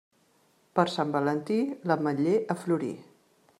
Per Sant Valentí, l'ametller a florir.